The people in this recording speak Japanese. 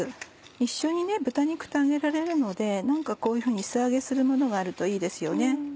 一緒に豚肉と揚げられるので何かこういうふうに素揚げするものがあるといいですよね。